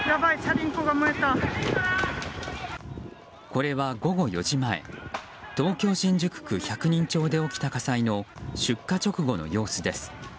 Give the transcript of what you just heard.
これは午後４時前東京・新宿区百人町で起きた火災の出火直後の様子です。